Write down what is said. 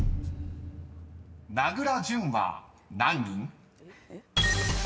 ［名倉潤は何人？］